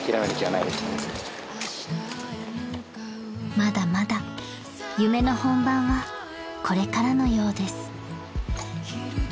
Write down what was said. ［まだまだ夢の本番はこれからのようです］